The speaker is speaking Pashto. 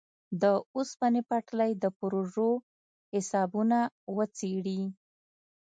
د اوسپنې پټلۍ د پروژو حسابونه وڅېړي.